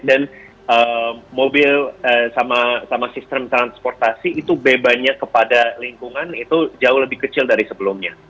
dan mobil sama sistem transportasi itu bebannya kepada lingkungan itu jauh lebih kecil dari sebelumnya